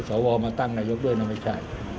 พอมาตั้งในยกด้วยไม่ใช่